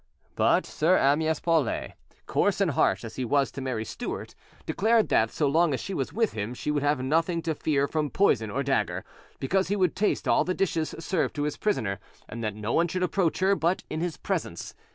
But Sir Amyas Paulet, coarse and harsh as he was to Mary Stuart, declared that, so long as she was with him she would have nothing to fear from poison or dagger, because he would taste all the dishes served to his prisoner, and that no one should approach her but in his presence.